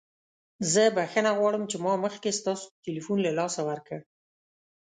زه بخښنه غواړم چې ما مخکې ستاسو تلیفون له لاسه ورکړ.